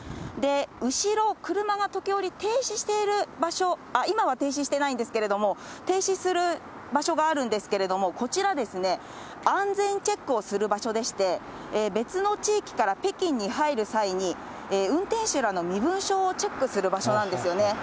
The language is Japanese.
後ろ、車が時折、停止している場所、今は停止していないんですけれども、停止する場所があるんですけれども、こちら、安全チェックをする場所でして、別の地域から北京に入る際に、運転手らの身分証をチェックする場所なんですよね。